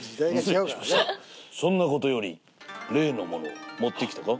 そんなことより例のものを持ってきたか？